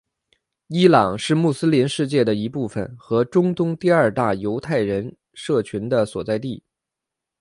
伊朗是穆斯林世界的一部分和中东第二大犹太人社群的所在地。